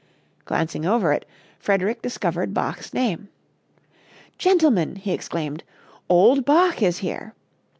Glancing over it, Frederick discovered Bach's name. "Gentlemen," he exclaimed, "old Bach is here!"